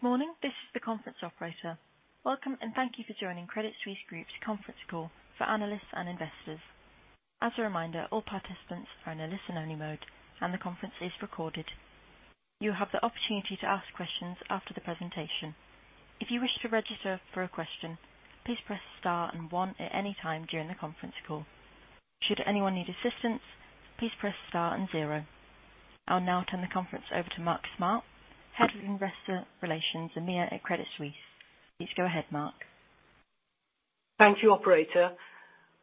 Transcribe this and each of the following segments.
Good morning. This is the conference operator. Welcome and thank you for joining Credit Suisse Group's conference call for analysts and investors. I'll now turn the conference over to Mark Smart, Head of Investor Relations, EMEA at Credit Suisse. Please go ahead, Mark. Thank you, operator.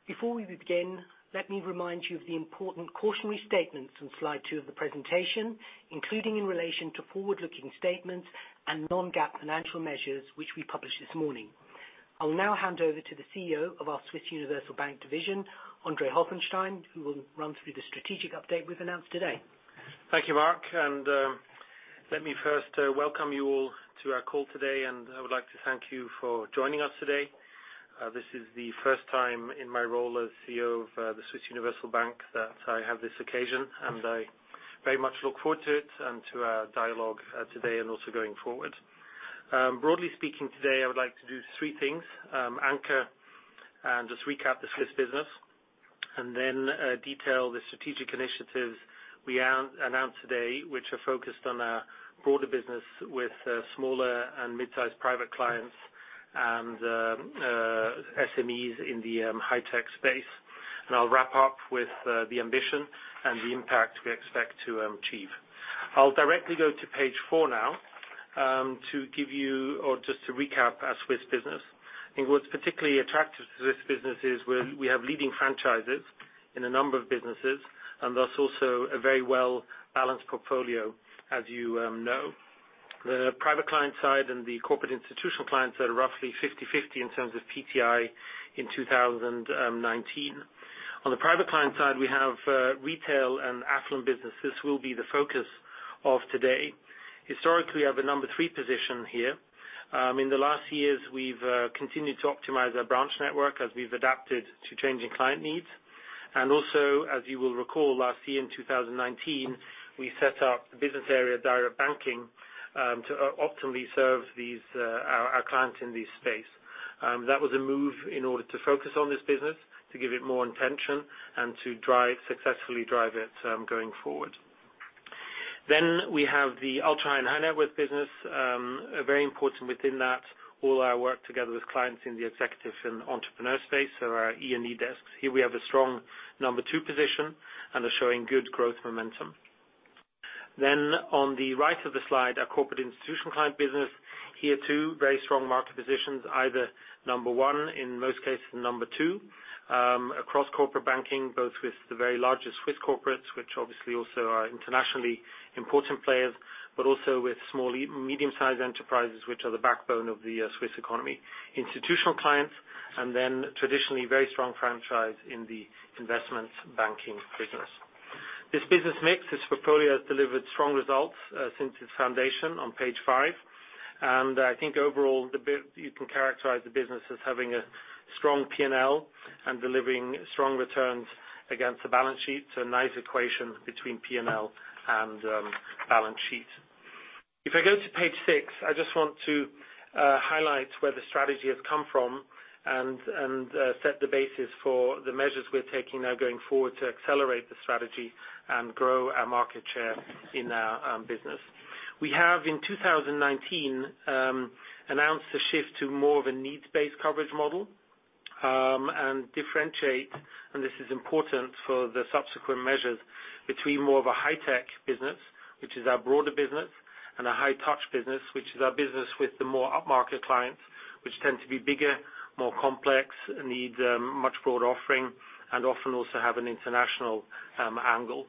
Before we begin, let me remind you of the important cautionary statements on slide two of the presentation, including in relation to forward-looking statements and non-GAAP financial measures, which we published this morning. I will now hand over to the CEO of our Swiss Universal Bank division, Andre Helfenstein, who will run through the strategic update we've announced today. Thank you, Mark. Let me first welcome you all to our call today. I would like to thank you for joining us today. This is the first time in my role as CEO of the Swiss Universal Bank that I have this occasion, I very much look forward to it and to our dialogue today and also going forward. Broadly speaking, today, I would like to do three things. Anchor and just recap the Swiss business, and then detail the strategic initiatives we announced today, which are focused on our broader business with smaller and mid-sized private clients and SMEs in the high-tech space. I'll wrap up with the ambition and the impact we expect to achieve. I'll directly go to page four now to give you or just to recap our Swiss business. I think what's particularly attractive to this business is we have leading franchises in a number of businesses, and thus also a very well-balanced portfolio, as you know. The private client side and the corporate institutional clients are roughly 50/50 in terms of PTI in 2019. On the private client side, we have retail and affluent business. This will be the focus of today. Historically, we have a number three position here. In the last years, we've continued to optimize our branch network as we've adapted to changing client needs. Also, as you will recall, last year in 2019, we set up the business area, Direct Banking, to optimally serve our clients in this space. That was a move in order to focus on this business, to give it more intention, and to successfully drive it going forward. We have the ultra-high-net-worth business. Very important within that, all our work together with clients in the executive and entrepreneur space. Our E&E desks. Here we have a strong number two position and are showing good growth momentum. On the right of the slide, our corporate institutional client business. Here too, very strong market positions, either number one, in most cases number two, across corporate banking, both with the very largest Swiss corporates, which obviously also are internationally important players, but also with small, medium-sized enterprises, which are the backbone of the Swiss economy. Institutional clients, traditionally very strong franchise in the Investment Banking business. This business mix, this portfolio, has delivered strong results since its foundation on page five. I think overall, you can characterize the business as having a strong P&L and delivering strong returns against the balance sheet. A nice equation between P&L and balance sheet. If I go to page six, I just want to highlight where the strategy has come from and set the basis for the measures we're taking now going forward to accelerate the strategy and grow our market share in our business. We have, in 2019, announced a shift to more of a needs-based coverage model, and differentiate, and this is important for the subsequent measures, between more of a high-tech business, which is our broader business, and a high-touch business, which is our business with the more up-market clients, which tend to be bigger, more complex, need a much broader offering, and often also have an international angle.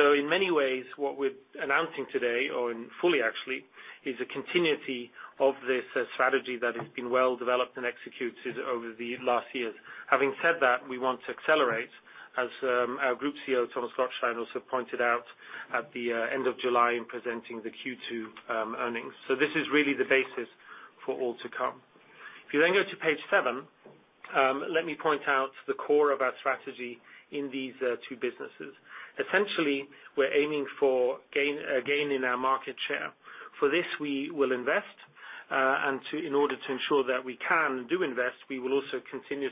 In many ways, what we're announcing today, or fully actually, is a continuity of this strategy that has been well developed and executed over the last years. Having said that, we want to accelerate, as our Group CEO, Thomas Gottstein, also pointed out at the end of July in presenting the Q2 earnings. This is really the basis for all to come. Go to page seven, let me point out the core of our strategy in these two businesses. Essentially, we are aiming for a gain in our market share. For this, we will invest, and in order to ensure that we can and do invest, we will also continue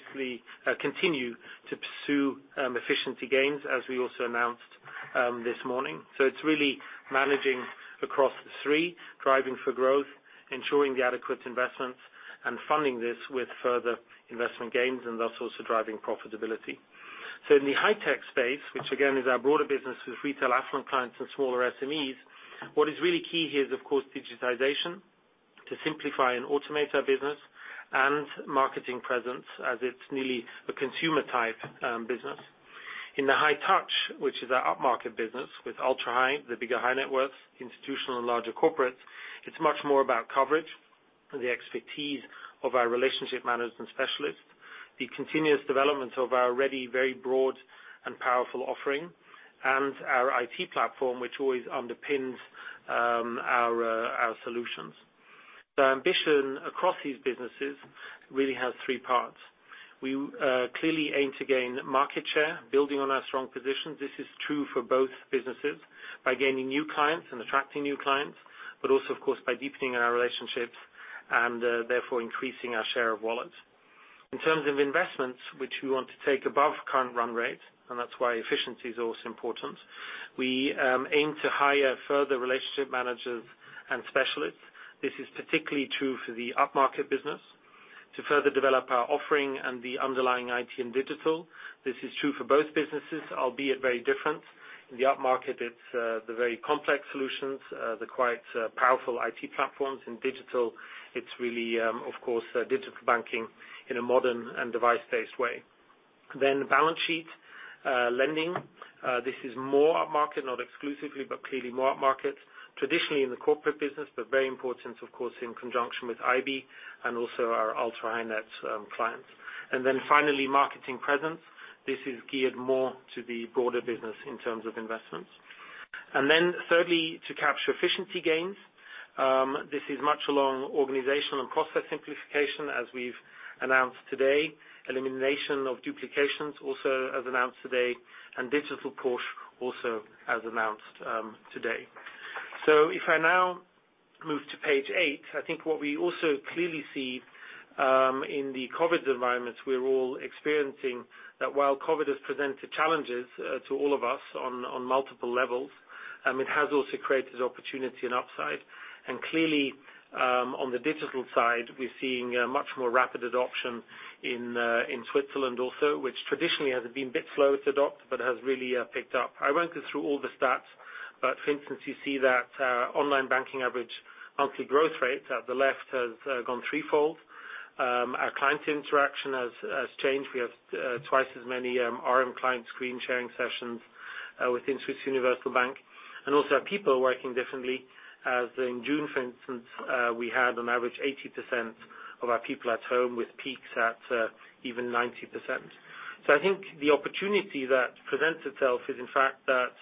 to pursue efficiency gains, as we also announced this morning. It is really managing across the three, driving for growth, ensuring the adequate investments, and funding this with further investment gains, and thus also driving profitability. In the high-tech space, which again is our broader business with retail affluent clients and smaller SMEs, what is really key here is, of course, digitization to simplify and automate our business and marketing presence, as it's nearly a consumer-type business. In the high-touch, which is our up-market business with ultra-high, the bigger high net worth, institutional and larger corporates, it's much more about coverage and the expertise of our relationship management specialists, the continuous development of our already very broad and powerful offering, and our IT platform, which always underpins our solutions. The ambition across these businesses really has three parts. We clearly aim to gain market share, building on our strong position. This is true for both businesses, by gaining new clients and attracting new clients, but also, of course, by deepening our relationships and therefore increasing our share of wallet. In terms of investments, which we want to take above current run rate, and that's why efficiency is also important. We aim to hire further relationship managers and specialists. This is particularly true for the upmarket business to further develop our offering and the underlying IT and digital. This is true for both businesses, albeit very different. In the upmarket, it's the very complex solutions, the quite powerful IT platforms. In digital, it's really, of course, digital banking in a modern and device-based way. Balance sheet, lending. This is more upmarket, not exclusively, but clearly more upmarket. Traditionally in the corporate business, but very important, of course, in conjunction with IB and also our ultra-high net clients. Finally, marketing presence. This is geared more to the broader business in terms of investments. Thirdly, to capture efficiency gains. This is much along organizational and process simplification, as we've announced today. Elimination of duplications, also as announced today, and digital push, also as announced today. If I now move to page eight, I think what we also clearly see, in the COVID environments we're all experiencing, that while COVID has presented challenges to all of us on multiple levels, it has also created opportunity and upside. Clearly, on the digital side, we're seeing a much more rapid adoption in Switzerland also, which traditionally has been a bit slow to adopt but has really picked up. I won't go through all the stats, but for instance, you see that online banking average monthly growth rate at the left has gone threefold. Our client interaction has changed. We have twice as many RM client screen sharing sessions within Swiss Universal Bank. Also our people are working differently. In June, for instance, we had on average 80% of our people at home, with peaks at even 90%. I think the opportunity that presents itself is in fact that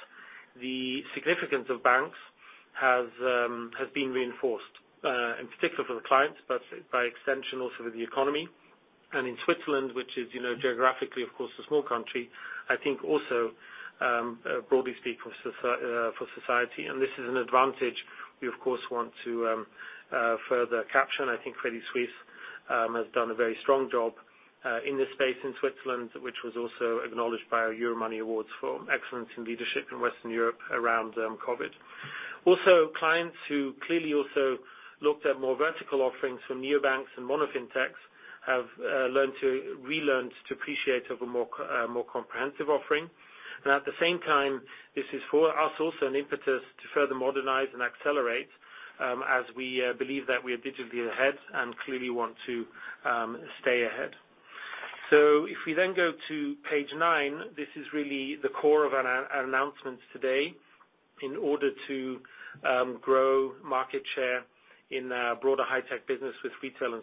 the significance of banks has been reinforced, in particular for the clients, but by extension, also for the economy. In Switzerland, which is geographically, of course, a small country, I think also, broadly speaking, for society. This is an advantage we of course want to further capture. I think Credit Suisse has done a very strong job in this space in Switzerland, which was also acknowledged by our Euromoney Awards for Excellence in leadership in Western Europe around COVID. Clients who clearly also looked at more vertical offerings from neobanks and mono fintechs have relearned to appreciate a more comprehensive offering. At the same time, this is for us also an impetus to further modernize and accelerate, as we believe that we are digitally ahead and clearly want to stay ahead. If we then go to page nine, this is really the core of our announcements today. In order to grow market share in a broader high-tech business with retail and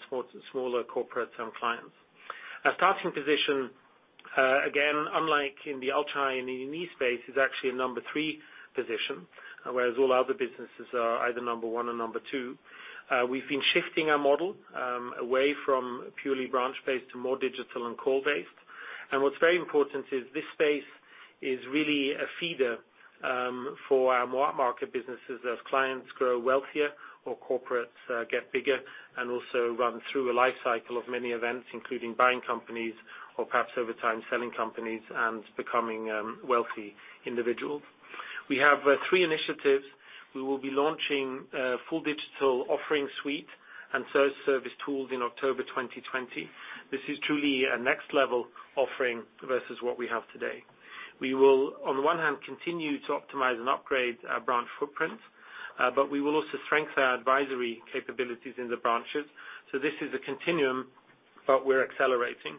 smaller corporates and clients. Our starting position, again, unlike in the ultra high and unique space, is actually a number three position, whereas all other businesses are either number one or number two. We have been shifting our model away from purely branch-based to more digital and call-based. What's very important is this space is really a feeder for our more upmarket businesses as clients grow wealthier or corporates get bigger and also run through a life cycle of many events, including buying companies or perhaps over time, selling companies and becoming wealthy individuals. We have three initiatives. We will be launching a full digital offering suite and self-service tools in October 2020. This is truly a next-level offering versus what we have today. We will, on one hand, continue to optimize and upgrade our branch footprints, but we will also strengthen our advisory capabilities in the branches. This is a continuum, but we're accelerating.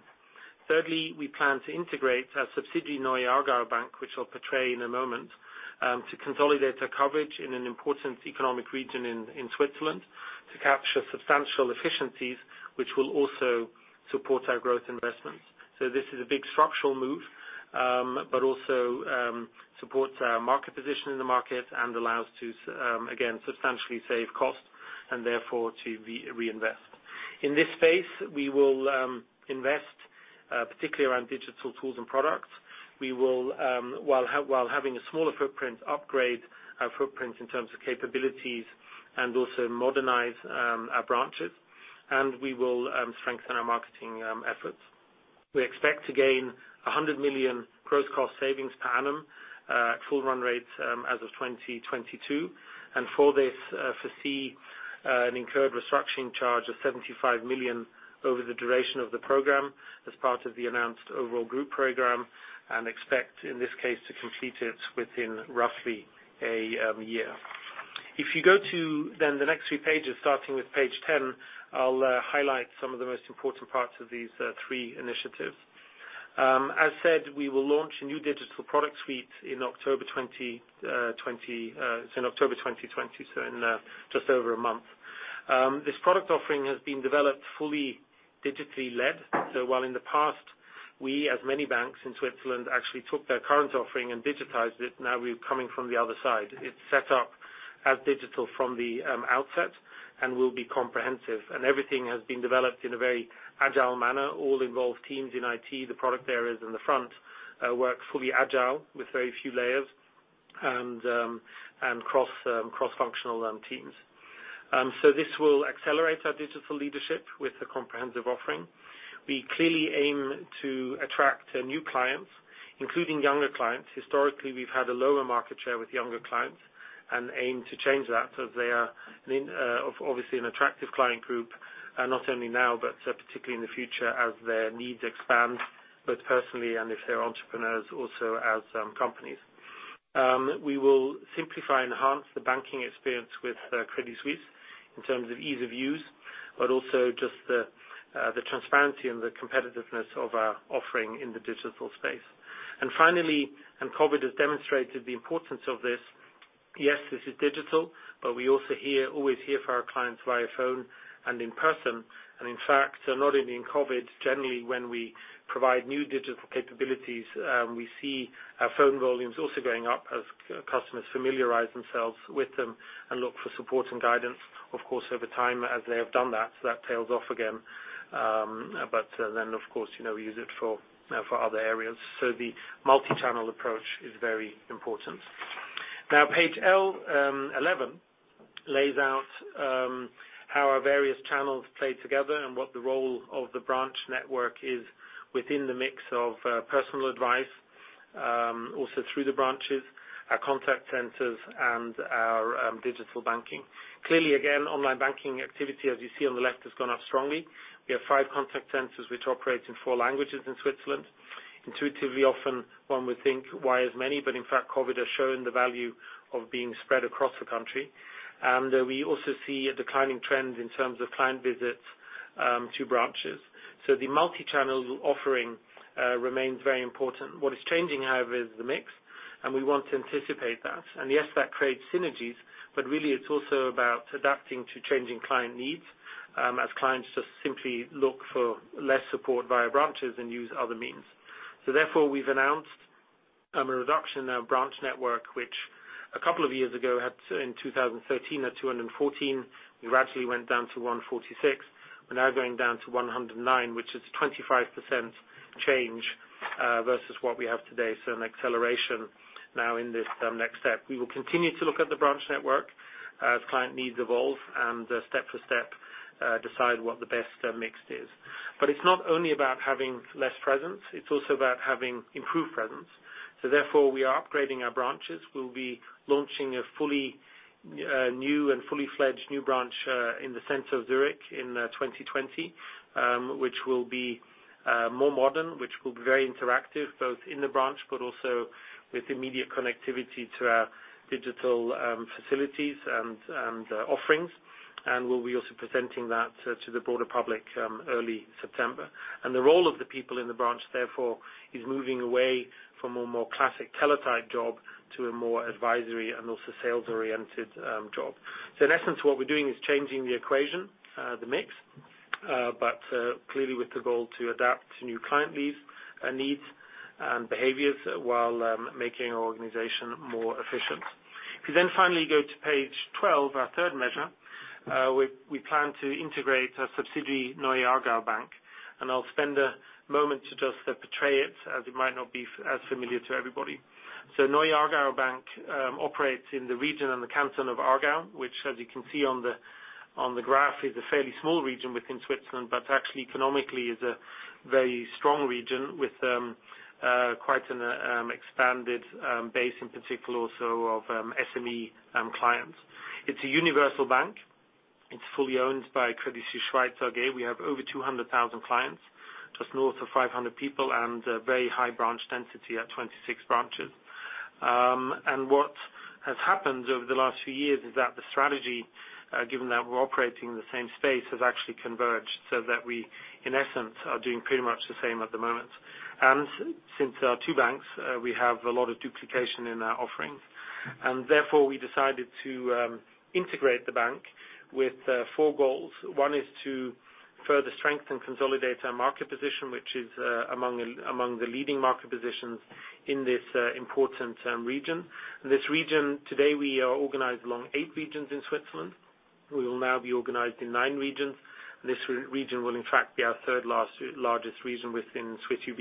Thirdly, we plan to integrate our subsidiary, Neue Aargauer Bank, which I'll portray in a moment, to consolidate our coverage in an important economic region in Switzerland to capture substantial efficiencies, which will also support our growth investments. This is a big structural move, but also supports our market position in the market and allows to, again, substantially save costs and therefore to reinvest. In this space, we will invest particularly around digital tools and products. We will, while having a smaller footprint, upgrade our footprint in terms of capabilities and also modernize our branches. We will strengthen our marketing efforts. We expect to gain 100 million gross cost savings per annum at full run rates as of 2022. For this, foresee an incurred restructuring charge of 75 million over the duration of the program as part of the announced overall group program, and expect, in this case, to complete it within roughly one year. If you go to the next few pages, starting with page 10, I'll highlight some of the most important parts of these three initiatives. As said, we will launch a new digital product suite in October 2020, so in just over a month. This product offering has been developed fully digitally led. While in the past, we, as many banks in Switzerland, actually took their current offering and digitized it. Now we're coming from the other side. It's set up as digital from the outset and will be comprehensive. Everything has been developed in a very agile manner. All involved teams in IT, the product areas in the front work fully agile with very few layers and cross-functional teams. This will accelerate our digital leadership with a comprehensive offering. We clearly aim to attract new clients, including younger clients. Historically, we've had a lower market share with younger clients and aim to change that, as they are obviously an attractive client group, not only now, but particularly in the future as their needs expand, both personally and if they're entrepreneurs also as companies. We will simplify and enhance the banking experience with Credit Suisse in terms of ease of use, but also just the transparency and the competitiveness of our offering in the digital space. Finally, COVID has demonstrated the importance of this, yes, this is digital, but we're also always here for our clients via phone and in person. In fact, not only in COVID, generally, when we provide new digital capabilities, we see our phone volumes also going up as customers familiarize themselves with them and look for support and guidance. Of course, over time, as they have done that tails off again. Of course, we use it for other areas. The multi-channel approach is very important. Page 11 lays out how our various channels play together and what the role of the branch network is within the mix of personal advice, also through the branches, our contact centers, and our digital banking. Clearly, again, online banking activity, as you see on the left, has gone up strongly. We have five contact centers which operate in four languages in Switzerland. Intuitively, often one would think, why as many? In fact, COVID has shown the value of being spread across the country. We also see a declining trend in terms of client visits to branches. The multi-channel offering remains very important. What is changing, however, is the mix, and we want to anticipate that. Yes, that creates synergies, but really it's also about adapting to changing client needs as clients just simply look for less support via branches and use other means. Therefore, we've announced a reduction of branch network, which a couple of years ago had in 2013 or 2014, we gradually went down to 146. We're now going down to 109, which is a 25% change versus what we have today. An acceleration now in this next step. We will continue to look at the branch network as client needs evolve and step by step decide what the best mix is. It's not only about having less presence, it's also about having improved presence. Therefore, we are upgrading our branches. We'll be launching a new and fully fledged new branch in the center of Zurich in 2020, which will be more modern, which will be very interactive, both in the branch but also with immediate connectivity to our digital facilities and offerings. We'll be also presenting that to the broader public early September. The role of the people in the branch, therefore, is moving away from a more classic teller-type job to a more advisory and also sales-oriented job. In essence, what we're doing is changing the equation, the mix, but clearly with the goal to adapt to new client needs and behaviors while making our organization more efficient. If you finally go to page 12, our third measure, we plan to integrate a subsidiary, Neue Aargauer Bank. I'll spend a moment to just portray it as it might not be as familiar to everybody. Neue Aargauer Bank operates in the region and the canton of Aargau, which, as you can see on the graph, is a fairly small region within Switzerland, but actually economically is a very strong region with quite an expanded base, in particular also of SME clients. It's a universal bank. It's fully owned by Credit Suisse (Schweiz) AG. We have over 200,000 clients, just north of 500 people, and a very high branch density at 26 branches. What has happened over the last few years is that the strategy, given that we're operating in the same space, has actually converged so that we, in essence, are doing pretty much the same at the moment. Since there are two banks, we have a lot of duplication in our offerings. Therefore, we decided to integrate the bank with four goals. One is to further strengthen and consolidate our market position, which is among the leading market positions in this important region. Today, we are organized along eight regions in Switzerland. We will now be organized in nine regions. This region will in fact be our third largest region within Swiss UB,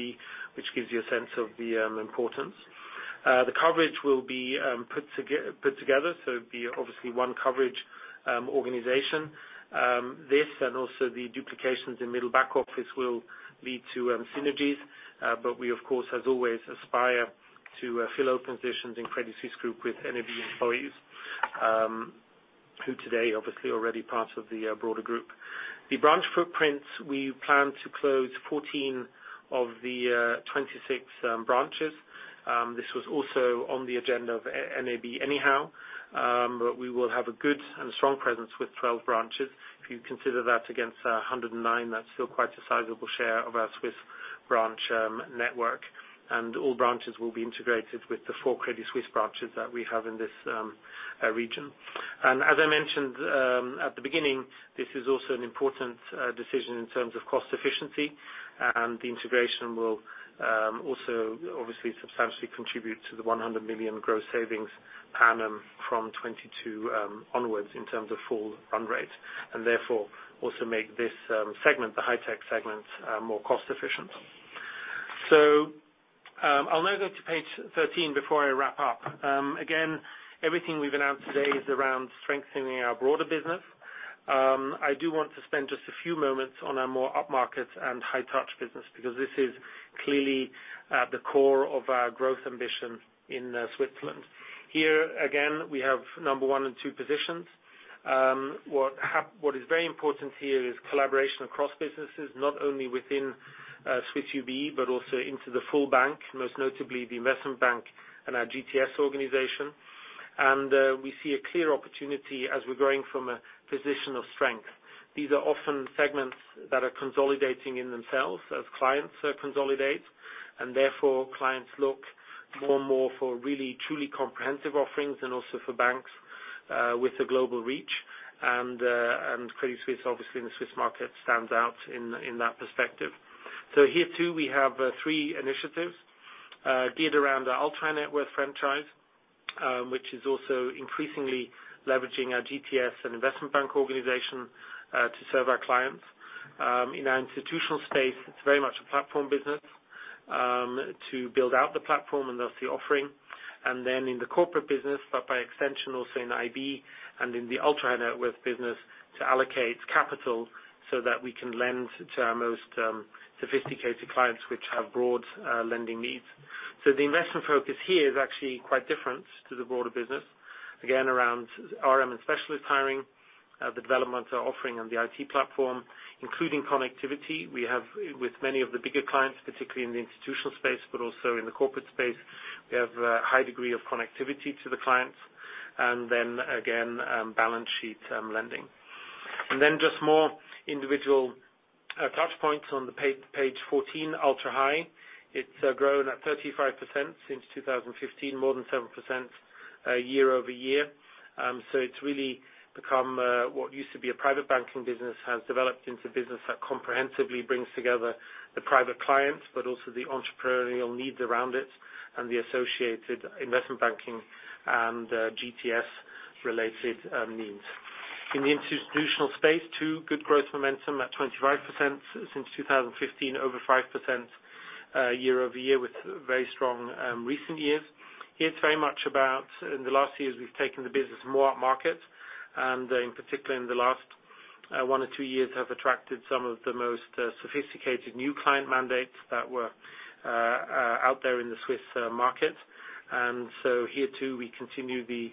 which gives you a sense of the importance. The coverage will be put together, so it will be obviously one coverage organization. This and also the duplications in middle back office will lead to synergies. We, of course, as always, aspire to fill open positions in Credit Suisse Group with NAB employees, who today obviously already part of the broader group. The branch footprints, we plan to close 14 of the 26 branches. This was also on the agenda of NAB anyhow. But we will have a good and strong presence with 12 branches. If you consider that against 109, that is still quite a sizable share of our Swiss branch network. All branches will be integrated with the four Credit Suisse branches that we have in this region. As I mentioned at the beginning, this is also an important decision in terms of cost efficiency. The integration will also obviously substantially contribute to the 100 million gross savings per annum from 2022 onwards in terms of full run rate, and therefore also make this segment, the high-tech segment, more cost-efficient. I will now go to page 13 before I wrap up. Again, everything we have announced today is around strengthening our broader business. I do want to spend just a few moments on our more upmarket and high-touch business, because this is clearly at the core of our growth ambition in Switzerland. Here, again, we have number one and two positions. What is very important here is collaboration across businesses, not only within Swiss UB but also into the full bank, most notably the Investment Bank and our GTS organization. We see a clear opportunity as we're growing from a position of strength. These are often segments that are consolidating in themselves as clients consolidate, therefore clients look more and more for really, truly comprehensive offerings and also for banks with a global reach. Credit Suisse, obviously, in the Swiss market, stands out in that perspective. Here, too, we have three initiatives geared around our ultra-net worth franchise, which is also increasingly leveraging our GTS and Investment Bank organization to serve our clients. In our institutional space, it's very much a platform business to build out the platform and thus the offering. In the corporate business, but by extension also in IB and in the ultra-high-net-worth business, to allocate capital so that we can lend to our most sophisticated clients which have broad lending needs. The investment focus here is actually quite different to the broader business. Again, around RM and specialist hiring, the development offering on the IT platform, including connectivity. We have with many of the bigger clients, particularly in the institutional space, but also in the corporate space, we have a high degree of connectivity to the clients. Again, balance sheet lending. Just more individual touch points on page 14, ultra high. It has grown at 35% since 2015, more than 7% year-over-year. It's really become what used to be a private banking business, has developed into a business that comprehensively brings together the private clients, but also the entrepreneurial needs around it and the associated investment banking and GTS-related needs. In the institutional space, too, good growth momentum at 25% since 2015, over 5% year-over-year with very strong recent years. Here it's very much about, in the last years, we've taken the business more upmarket, and in particular in the last one or two years have attracted some of the most sophisticated new client mandates that were out there in the Swiss market. Here too, we continue the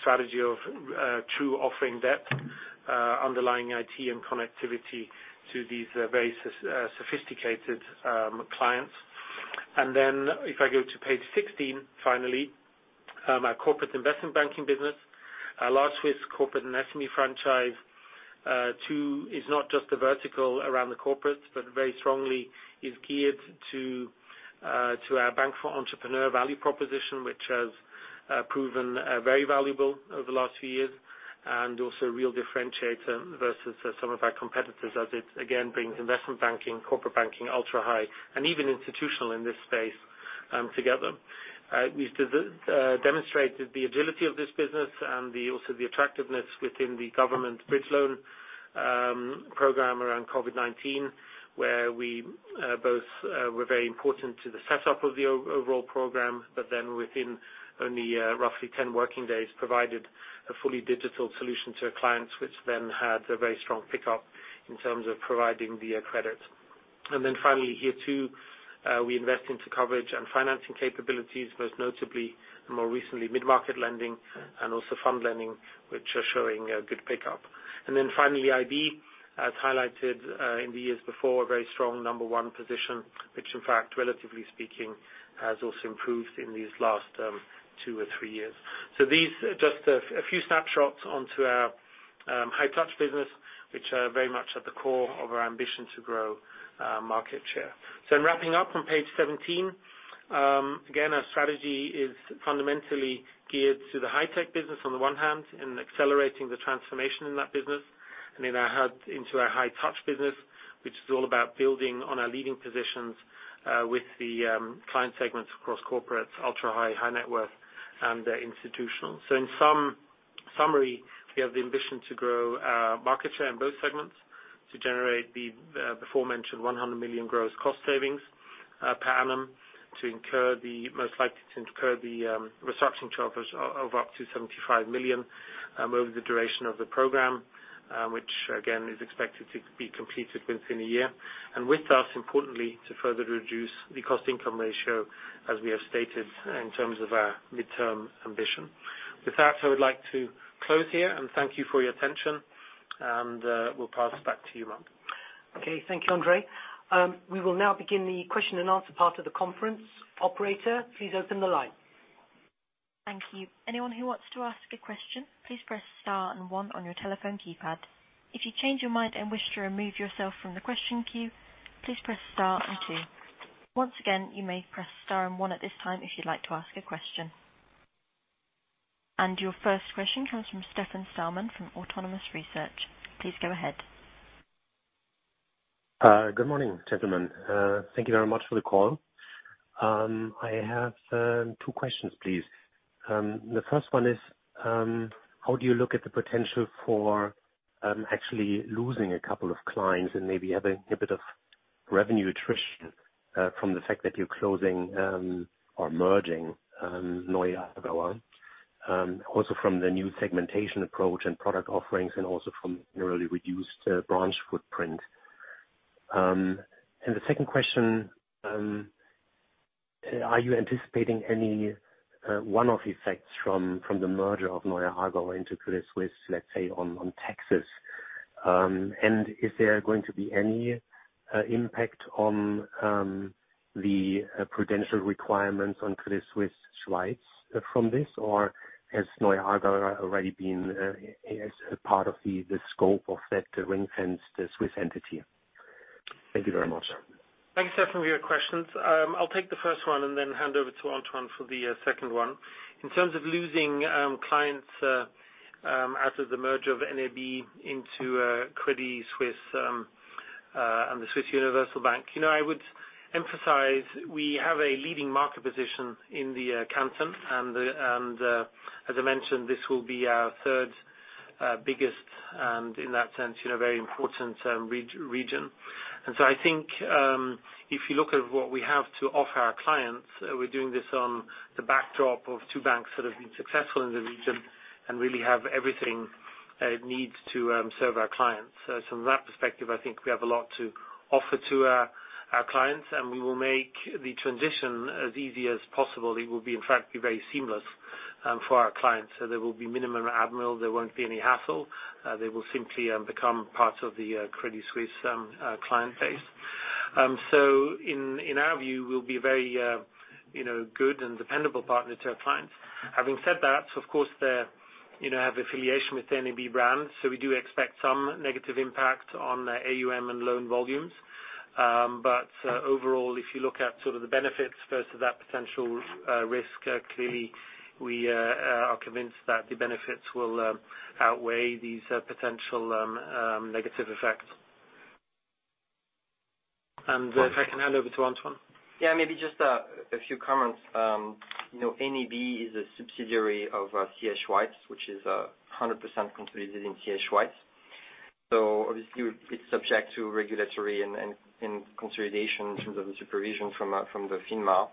strategy of true offering depth underlying IT and connectivity to these very sophisticated clients. If I go to page 16, finally, our corporate investment banking business. Our large Swiss corporate and SME franchise, too, is not just a vertical around the corporates, but very strongly is geared to our Bank for Entrepreneurs value proposition, which has proven very valuable over the last few years, and also a real differentiator versus some of our competitors as it, again, brings investment banking, corporate banking, ultra high, and even institutional in this space together. We've demonstrated the agility of this business and also the attractiveness within the Government Bridge Loan Program around COVID-19, where we both were very important to the setup of the overall program, but then within only roughly 10 working days, provided a fully digital solution to our clients, which then had a very strong pickup in terms of providing the credit. Finally here too, we invest into coverage and financing capabilities, most notably more recently, mid-market lending and also fund lending, which are showing a good pickup. Finally, IB, as highlighted in the years before, a very strong number one position, which in fact, relatively speaking, has also improved in these last two or three years. These are just a few snapshots onto our high-touch business, which are very much at the core of our ambition to grow market share. In wrapping up on page 17, again, our strategy is fundamentally geared to the high-tech business on the one hand and accelerating the transformation in that business, and into our high-touch business, which is all about building on our leading positions with the client segments across corporates, ultra high, high net worth, and institutional. In summary, we have the ambition to grow market share in both segments to generate the aforementioned 100 million gross cost savings per annum, to most likely incur the restructuring charges of up to 75 million over the duration of the program, which again, is expected to be completed within a year. With that, importantly, to further reduce the cost-income ratio as we have stated in terms of our midterm ambition. With that, I would like to close here and thank you for your attention, and we'll pass back to you, Mark. Okay. Thank you, Andre. We will now begin the question and answer part of the conference. Operator, please open the line. Thank you. Anyone who wants to ask a question, please press star and one on your telephone keypad. If you change your mind and wish to remove yourself from the question queue, please press star and two. Once again, you may press star and one at this time if you'd like to ask a question. Your first question comes from Stefan Stalmann from Autonomous Research. Please go ahead. Good morning, gentlemen. Thank you very much for the call. I have two questions, please. The first one is, how do you look at the potential for actually losing a couple of clients and maybe having a bit of revenue attrition from the fact that you're closing or merging Neue Aargauer? Also, from the new segmentation approach and product offerings, and also from the really reduced branch footprint. The second question, are you anticipating any one-off effects from the merger of Neue Aargauer into Credit Suisse, let's say on taxes? Is there going to be any impact on the prudential requirements on Credit Suisse Schweiz from this? Has Neue Aargauer already been as a part of the scope of that to reinforce the Swiss entity? Thank you very much. Thanks, Stefan, for your questions. I'll take the first one and then hand over to for the second one. In terms of losing clients after the merger of NAB into Credit Suisse and the Swiss Universal Bank, I would emphasize we have a leading market position in the canton, and as I mentioned, this will be our third biggest and in that sense, very important region. I think if you look at what we have to offer our clients, we're doing this on the backdrop of two banks that have been successful in the region and really have everything it needs to serve our clients. From that perspective, I think we have a lot to offer to our clients, and we will make the transition as easy as possible. It will in fact be very seamless for our clients. There will be minimum admin, there won't be any hassle. They will simply become part of the Credit Suisse client base. In our view, we'll be a very good and dependable partner to our clients. Having said that, of course, they have affiliation with the NAB brand, so we do expect some negative impact on AUM and loan volumes. Overall, if you look at sort of the benefits versus that potential risk, clearly we are convinced that the benefits will outweigh these potential negative effects. If I can hand over to Antoine. Maybe just a few comments. NAB is a subsidiary of CS Schweiz, which is 100% considered in CS Schweiz. Obviously it is subject to regulatory and consolidation in terms of the supervision from the FINMA.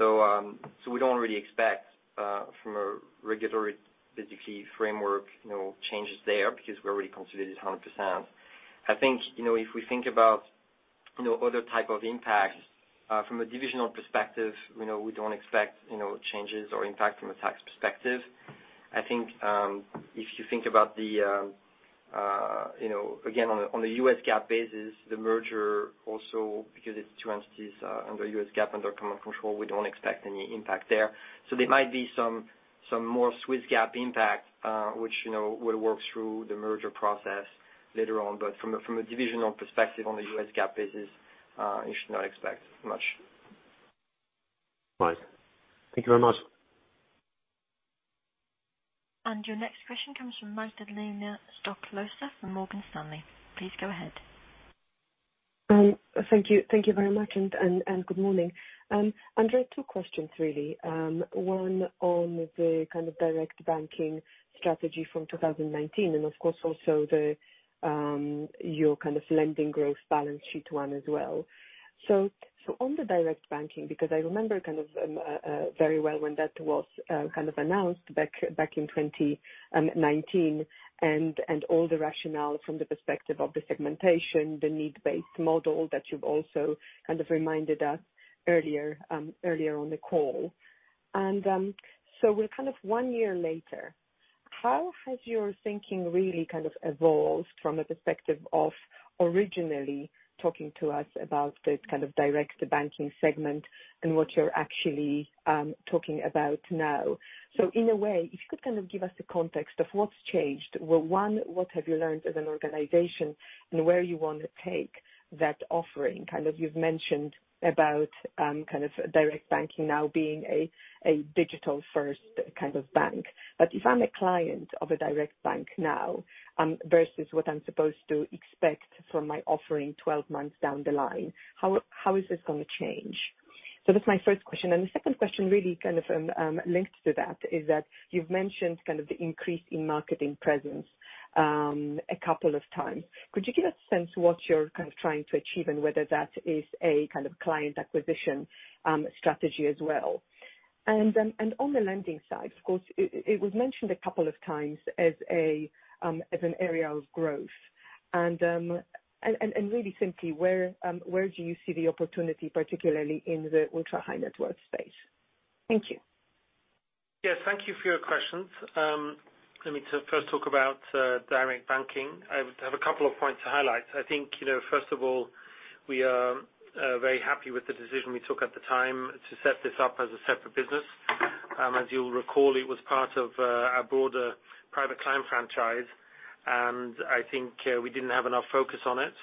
We do not really expect from a regulatory basically framework changes there because we are already considered it 100%. If we think about other type of impacts from a divisional perspective, we do not expect changes or impact from a tax perspective. If you think about, again, on the US GAAP basis, the merger also because it is two entities under US GAAP under common control, we do not expect any impact there. There might be some more Swiss GAAP impact, which will work through the merger process later on. From a divisional perspective on the US GAAP basis, you should not expect much. Right. Thank you very much. Your next question comes from Magdalena Stoklosa from Morgan Stanley. Please go ahead. Thank you very much, and good morning. Andre, two questions really. One on the kind of direct banking strategy from 2019 and of course also your kind of lending growth balance sheet one as well. On the direct banking, because I remember kind of very well when that was kind of announced back in 2019 and all the rationale from the perspective of the segmentation, the need-based model that you've also kind of reminded us earlier on the call. We're kind of one year later, how has your thinking really kind of evolved from a perspective of originally talking to us about the kind of direct banking segment and what you're actually talking about now? In a way, if you could kind of give us a context of what's changed. Well, one, what have you learned as an organization and where you want to take that offering? You've mentioned about kind of direct banking now being a digital-first kind of bank. If I'm a client of a direct bank now versus what I'm supposed to expect from my offering 12 months down the line, how is this going to change? That's my first question. The second question really kind of linked to that is that you've mentioned kind of the increase in marketing presence a couple of times. Could you give a sense what you're kind of trying to achieve and whether that is a kind of client acquisition strategy as well? On the lending side, of course it was mentioned a couple of times as an area of growth and really simply where do you see the opportunity, particularly in the ultra-high-net-worth space? Thank you. Yes, thank you for your questions. Let me first talk about direct banking. I have a couple of points to highlight. We are very happy with the decision we took at the time to set this up as a separate business. As you'll recall, it was part of our broader private client franchise, we didn't have enough focus on it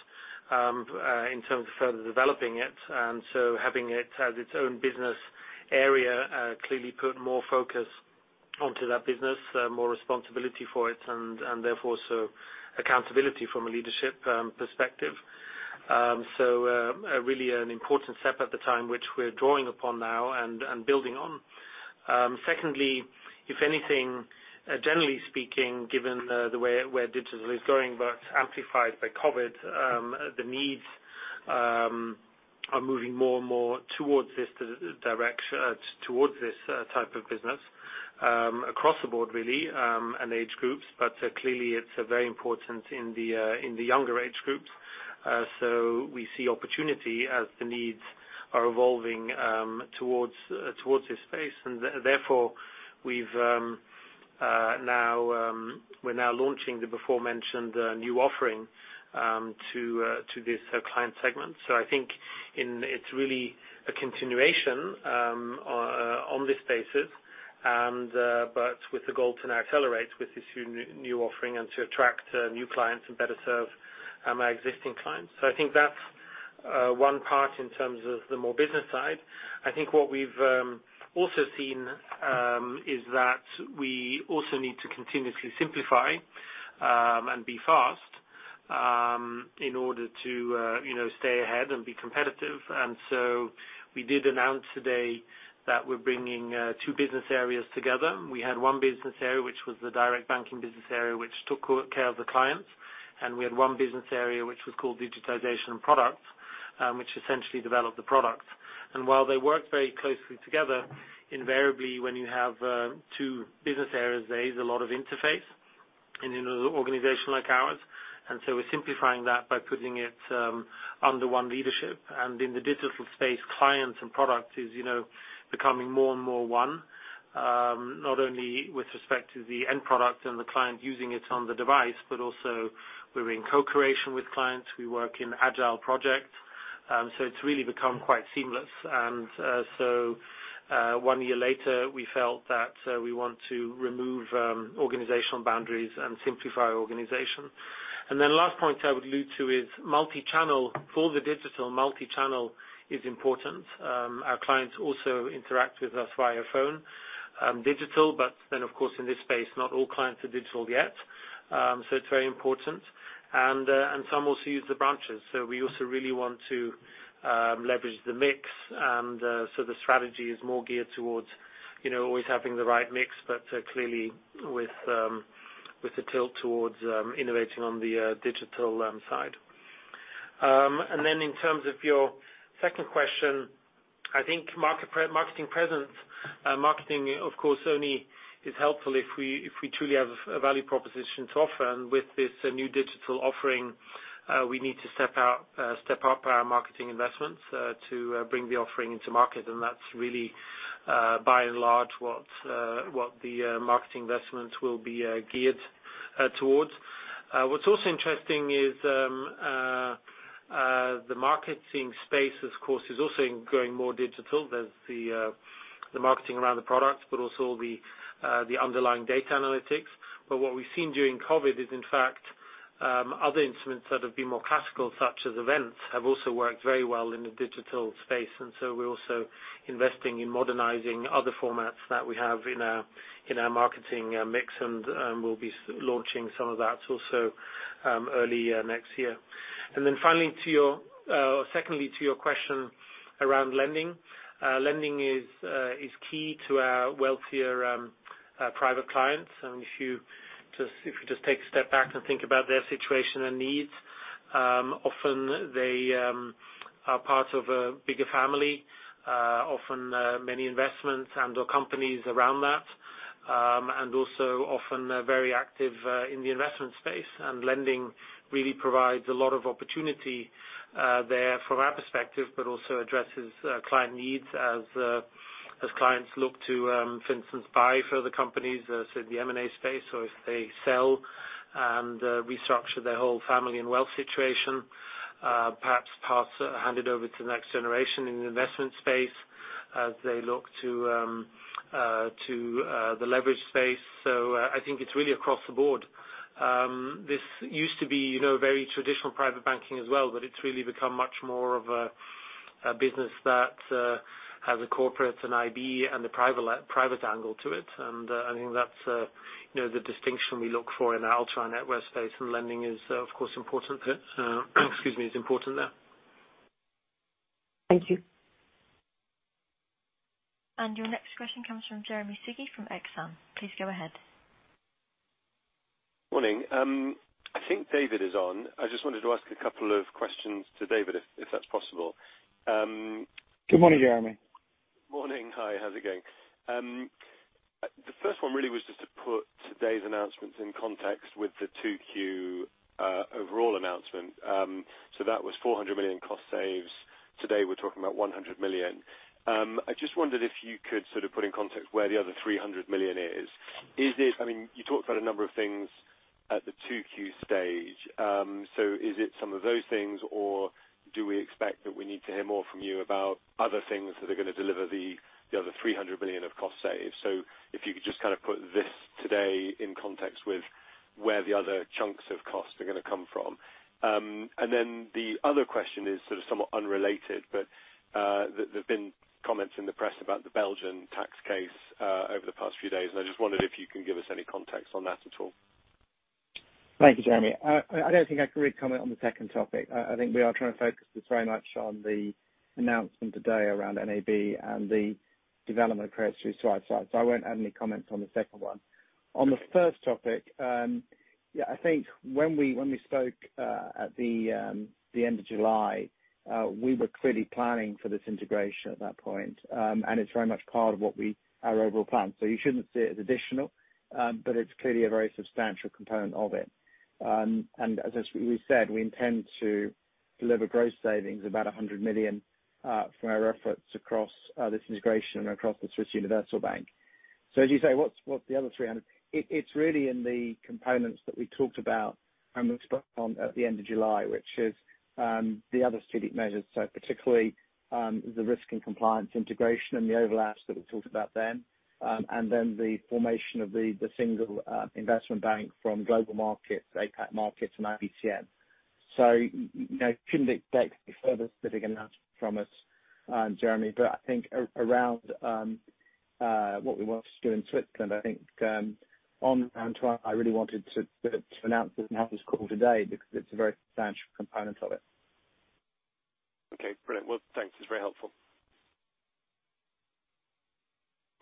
in terms of further developing it. Having it as its own business area, clearly put more focus onto that business, more responsibility for it and therefore, accountability from a leadership perspective. Really an important step at the time, which we're drawing upon now and building on. Secondly, if anything, generally speaking, given the way where digital is going, but amplified by COVID, the needs are moving more and more towards this type of business, across the board really, and age groups. Clearly it's very important in the younger age groups. We see opportunity as the needs are evolving towards this space. Therefore, we're now launching the beforementioned new offering to this client segment. I think it's really a continuation on this basis, but with the goal to now accelerate with this new offering and to attract new clients and better serve our existing clients. I think that's one part in terms of the more business side. I think what we've also seen is that we also need to continuously simplify and be fast in order to stay ahead and be competitive. We did announce today that we're bringing two business areas together. We had one business area, which was the direct banking business area, which took care of the clients. We had one business area, which was called digitization products, which essentially developed the products. While they worked very closely together, invariably, when you have two business areas, there is a lot of interface in an organization like ours. We are simplifying that by putting it under one leadership. In the digital space, clients and product is becoming more and more one. Not only with respect to the end product and the client using it on the device, but also we are in co-creation with clients. We work in agile projects. It is really become quite seamless. One year later, we felt that we want to remove organizational boundaries and simplify our organization. Last point I would allude to is multi-channel. For the digital, multi-channel is important. Our clients also interact with us via phone, digital, but then of course, in this space, not all clients are digital yet. It's very important. Some also use the branches. We also really want to leverage the mix. The strategy is more geared towards always having the right mix, but clearly with the tilt towards innovating on the digital side. Then in terms of your second question, I think marketing presence. Marketing, of course, only is helpful if we truly have a value proposition to offer. With this new digital offering, we need to step up our marketing investments to bring the offering into market. That's really by and large what the marketing investments will be geared towards. What's also interesting is the marketing space, of course, is also going more digital. There's the marketing around the products, but also the underlying data analytics. What we've seen during COVID is, in fact, other instruments that have been more classical, such as events, have also worked very well in the digital space. We're also investing in modernizing other formats that we have in our marketing mix. We'll be launching some of that also early next year. Secondly, to your question around lending. Lending is key to our wealthier private clients. If you just take a step back and think about their situation and needs, often they are part of a bigger family. Often many investments and/or companies around that. Also often very active in the investment space. Lending really provides a lot of opportunity there from our perspective, but also addresses client needs as clients look to, for instance, buy further companies, so the M&A space or if they sell and restructure their whole family and wealth situation. Perhaps pass handed over to the next generation in the investment space as they look to the leverage space. I think it's really across the board. This used to be very traditional private banking as well, but it's really become much more of a business that has a corporate, an IB, and the private angle to it. I think that's the distinction we look for in our ultra-net-worth space. Lending is, of course, important there. Thank you. Your next question comes from Jeremy Sigee from Exane. Please go ahead. Morning. I think David is on. I just wanted to ask a couple of questions to David, if that's possible. Good morning, Jeremy. Morning. Hi, how's it going? The first one really was just to put today's announcements in context with the 2Q overall announcement. That was 400 million cost saves. Today we're talking about 100 million. I just wondered if you could sort of put in context where the other 300 million is. You talked about a number of things at the 2Q stage. Is it some of those things, or do we expect that we need to hear more from you about other things that are going to deliver the other 300 million of cost saves? If you could just kind of put this today in context with where the other chunks of costs are going to come from. The other question is sort of somewhat unrelated, but there have been comments in the press about the Belgian tax case over the past few days, and I just wondered if you can give us any context on that at all. Thank you, Jeremy. I don't think I can really comment on the second topic. I think we are trying to focus this very much on the announcement today around NAB and the development of Credit Suisse Schweiz, so I won't add any comments on the second one. On the first topic, I think when we spoke at the end of July, we were clearly planning for this integration at that point. It's very much part of our overall plan. You shouldn't see it as additional, but it's clearly a very substantial component of it. As we said, we intend to deliver gross savings of about 100 million from our efforts across this integration and across the Swiss Universal Bank. As you say, what's the other 300 million? It's really in the components that we talked about and we spoke on at the end of July, which is the other strategic measures. Particularly, the risk and compliance integration and the overlaps that we talked about then, and then the formation of the single investment bank from Global Markets, APAC markets and IBCM. You shouldn't expect any further strategic announcement from us, Jeremy. I think around what we want to do in Switzerland, I think on Antoine, I really wanted to announce this and have this call today because it's a very substantial component of it. Okay, brilliant. Thanks. It's very helpful.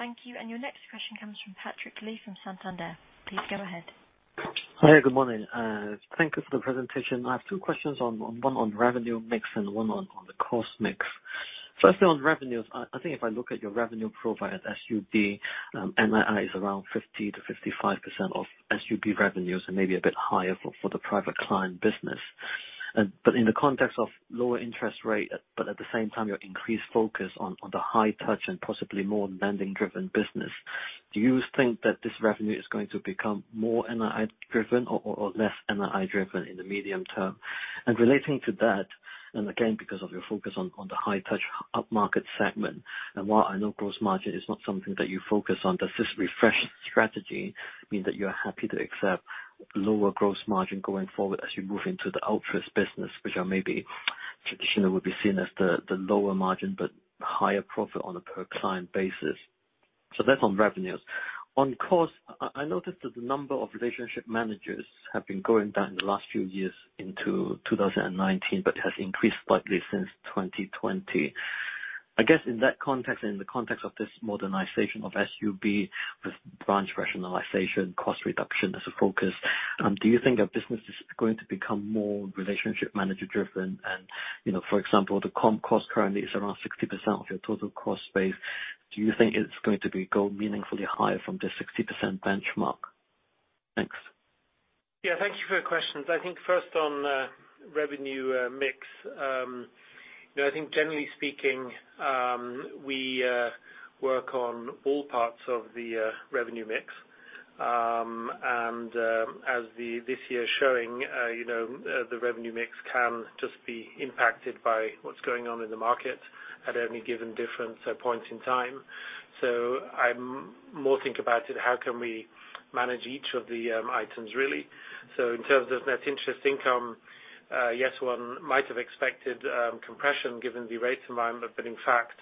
Thank you. Your next question comes from Patrick Lee, from Santander. Please go ahead. Hi, good morning. Thank you for the presentation. I have two questions, one on revenue mix and one on the cost mix. Firstly, on revenues, I think if I look at your revenue profile at SUB, NII is around 50%-55% of SUB revenues and maybe a bit higher for the private client business. In the context of lower interest rate, but at the same time, your increased focus on the high-touch and possibly more lending-driven business, do you think that this revenue is going to become more NII driven or less NII driven in the medium term? Relating to that, and again, because of your focus on the high-touch upmarket segment, and while I know gross margin is not something that you focus on, does this refreshed strategy mean that you are happy to accept lower gross margin going forward as you move into the outpost business, which maybe traditionally would be seen as the lower margin, but higher profit on a per client basis? That's on revenues. On costs, I noticed that the number of relationship managers have been going down in the last few years into 2019, but has increased slightly since 2020. I guess in that context, in the context of this modernization of SUB with branch rationalization, cost reduction as a focus, do you think a business is going to become more relationship manager driven and, for example, the comm cost currently is around 60% of your total cost base. Do you think it's going to go meaningfully higher from the 60% benchmark? Thanks. Yeah, thank you for your questions. I think first on revenue mix. I think generally speaking, we work on all parts of the revenue mix. As this year's showing, the revenue mix can just be impacted by what's going on in the market at any given different points in time. I more think about it, how can we manage each of the items, really? In terms of net interest income, yes, one might have expected compression given the rate environment, but in fact,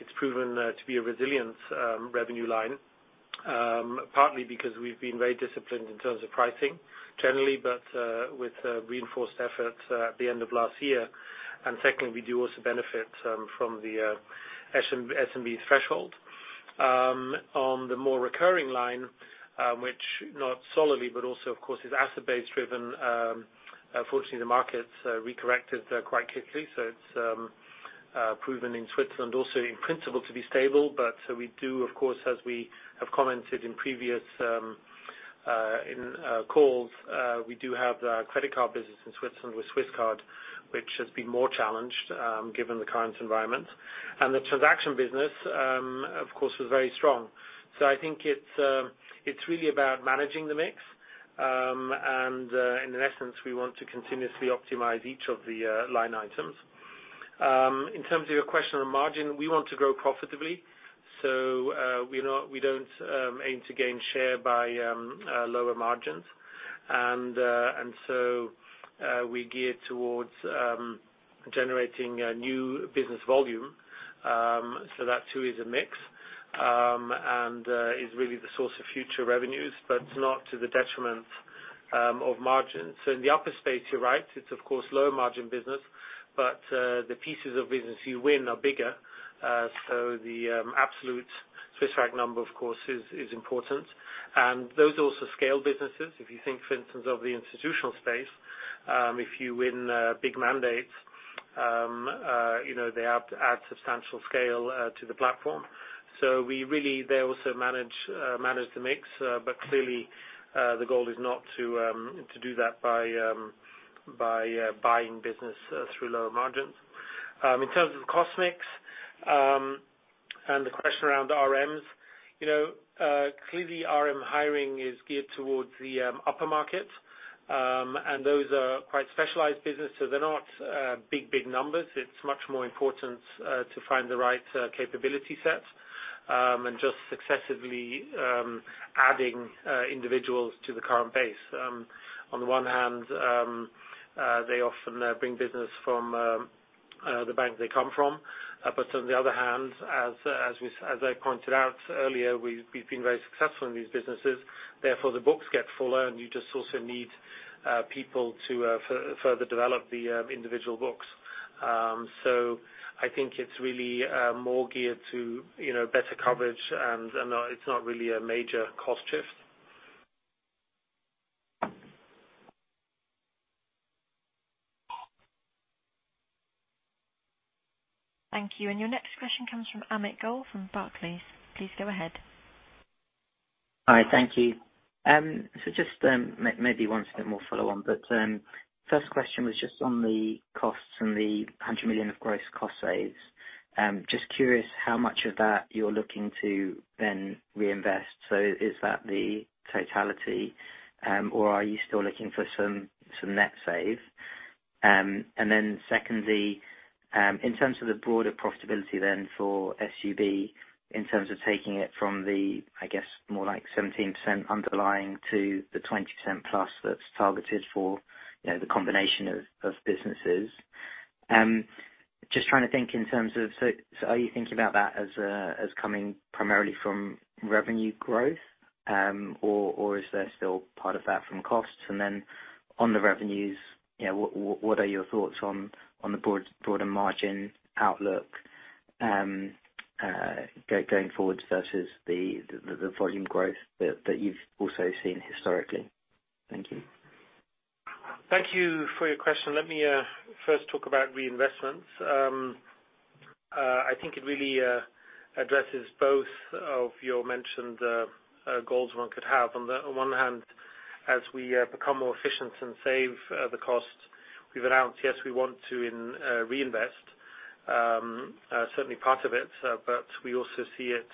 it's proven to be a resilient revenue line, partly because we've been very disciplined in terms of pricing generally, but with reinforced effort at the end of last year. Secondly, we do also benefit from the SNB threshold. On the more recurring line, which not solely, but also, of course, is asset-based driven. Fortunately, the market's re-corrected quite quickly, so it's proven in Switzerland also in principle to be stable. We do, of course, as we have commented in previous calls, we do have the credit card business in Switzerland with Swisscard, which has been more challenged given the current environment. The transaction business, of course, was very strong. I think it's really about managing the mix. In essence, we want to continuously optimize each of the line items. In terms of your question on margin, we want to grow profitably. We don't aim to gain share by lower margins. We gear towards generating new business volume. That too is a mix, and is really the source of future revenues, but not to the detriment of margins. In the upper space, you're right, it's of course lower margin business, but the pieces of business you win are bigger. The absolute Swiss Re number, of course, is important. Those also scale businesses. If you think, for instance, of the institutional space, if you win big mandates, they add substantial scale to the platform. They also manage the mix, but clearly, the goal is not to do that by buying business through lower margins. In terms of the cost mix, and the question around RMs, clearly RM hiring is geared towards the upper market, and those are quite specialized business, so they're not big numbers. It's much more important to find the right capability sets, and just successively adding individuals to the current base. On one hand, they often bring business from the bank they come from. On the other hand, as I pointed out earlier, we've been very successful in these businesses, therefore, the books get fuller and you just also need people to further develop the individual books. I think it's really more geared to better coverage and it's not really a major cost shift. Thank you. Your next question comes from Amit Goel from Barclays. Please go ahead. Hi, thank you. Just maybe one more follow-on, but first question was just on the costs and the 100 million of gross cost saves. Just curious how much of that you're looking to then reinvest. Is that the totality, or are you still looking for some net save? Secondly, in terms of the broader profitability then for SUB, in terms of taking it from the, I guess, more like 17% underlying to the 20%+ that's targeted for the combination of businesses. Just trying to think in terms of, are you thinking about that as coming primarily from revenue growth? Or is there still part of that from costs? On the revenues, what are your thoughts on the broader margin outlook going forward versus the volume growth that you've also seen historically? Thank you. Thank you for your question. Let me first talk about reinvestments. I think it really addresses both of your mentioned goals one could have. On one hand, as we become more efficient and save the cost, we've announced, yes, we want to reinvest, certainly part of it, but we also see it,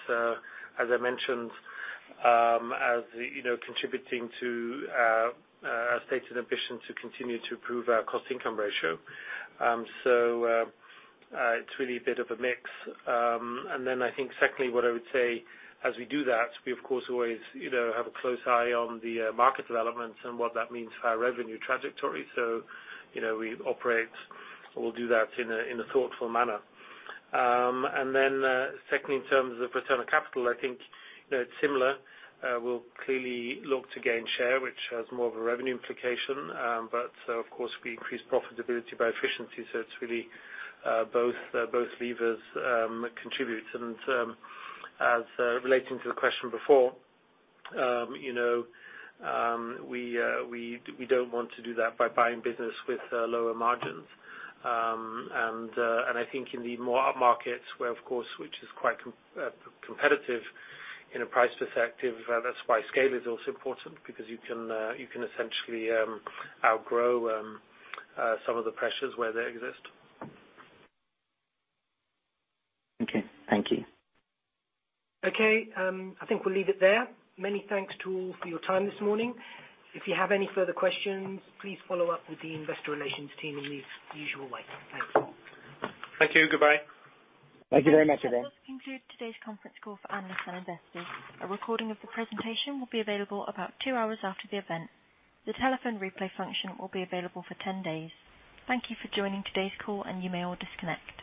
as I mentioned, as contributing to our stated ambition to continue to improve our cost-income ratio. It's really a bit of a mix. I think secondly, what I would say, as we do that, we of course always have a close eye on the market developments and what that means for our revenue trajectory. We operate, we'll do that in a thoughtful manner. Secondly, in terms of return on capital, I think it's similar. We'll clearly look to gain share, which has more of a revenue implication. Of course we increase profitability by efficiency, so it's really both levers contribute. As relating to the question before, we don't want to do that by buying business with lower margins. I think in the more up markets where of course, which is quite competitive in a price perspective, that's why scale is also important, because you can essentially outgrow some of the pressures where they exist. Okay. Thank you. Okay. I think we'll leave it there. Many thanks to all for your time this morning. If you have any further questions, please follow up with the Investor Relations team in the usual way. Thanks. Thank you. Goodbye. Thank you very much, everyone. That does conclude today's conference call for analysts and investors. A recording of the presentation will be available about two hours after the event. The telephone replay function will be available for 10 days. Thank you for joining today's call, and you may all disconnect.